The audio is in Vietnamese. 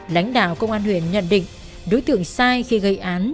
lãnh đạo công an huyện nhận định đối tượng sai khi gây án